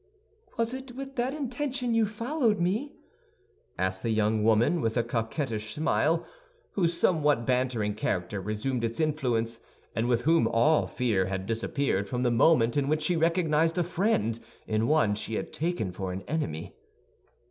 "Was it with that intention you followed me?" asked the young woman, with a coquettish smile, whose somewhat bantering character resumed its influence, and with whom all fear had disappeared from the moment in which she recognized a friend in one she had taken for an enemy.